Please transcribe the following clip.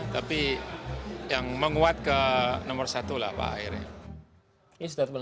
tapi yang menguat ke nomor satu lah pak akhirnya